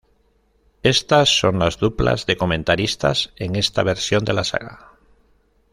Estas son las duplas de comentaristas en esta versión de la saga.